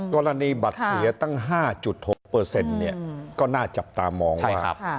กรณีบัตรเสียตั้งห้าจุดหกเปอร์เซ็นต์เนี่ยก็น่าจับตามองว่าใช่ครับ